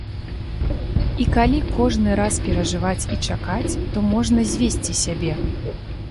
І калі кожны раз перажываць і чакаць, то можна звесці сябе.